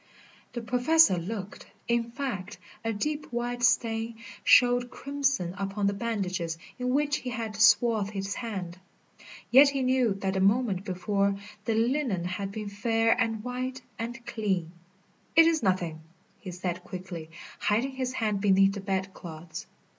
The Professor looked. In fact, a deep, wide stain showed crimson upon the bandages in which he had swathed his hand. Yet he knew that the moment before the linen had been fair and white and clean. "It is nothing," he said quickly, hiding his hand beneath the bed clothes.